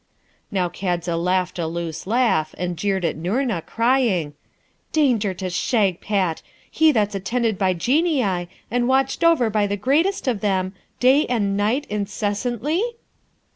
Now, Kadza laughed a loose laugh, and jeered at Noorna, crying, 'Danger to Shagpat! he that's attended by Genii, and watched over by the greatest of them, day and night incessantly?'